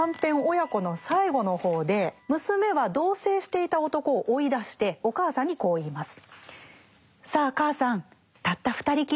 「母娘」の最後の方で娘は同棲していた男を追い出してお母さんにこう言います。